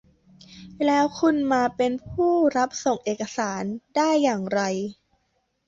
แล้วคุณมาเป็นผู้รับส่งเอกสารได้อย่างไร